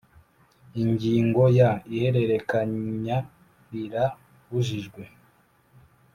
ingingo ya ihererekanya rira bujijwe